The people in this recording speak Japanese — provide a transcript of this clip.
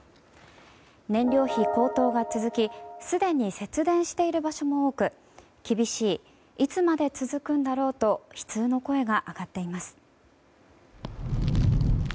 燃料費高騰が続きすでに節電している場所も多く厳しい、いつまで続くんだろうと悲痛の声が上がっています。